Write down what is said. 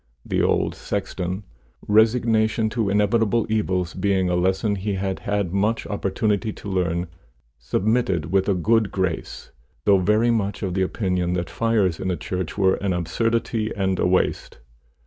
The old sexton, resignation to inevitable evils being a lesson he had had much opportunity to learn, submitted with a good grace, though very much of opinion that fires in a church were an absurdity and a waste.